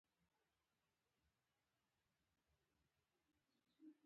بد بوټي ته سپي هم متازې نه کوی.